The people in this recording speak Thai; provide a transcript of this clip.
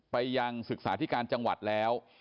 ไปยังศึกษาธิการจังหวัดแล้ว